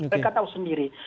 mereka tahu sendiri